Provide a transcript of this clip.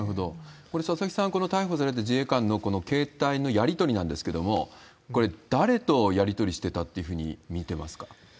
これ、佐々木さん、この逮捕された自衛官の携帯のやり取りなんですけれども、これ、誰とやり取りしてたっていうふうに見てますか？